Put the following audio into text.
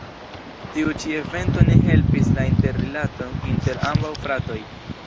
Tiu ĉi evento ne helpis la interrilaton inter ambaŭ fratoj.